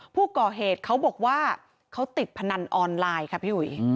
ผู้ก่อเหตุเขาบอกว่าเขาติดพนันออนไลน์ค่ะพี่อุ๋ย